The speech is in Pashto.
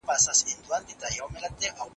زه پرون ليکنه کوم!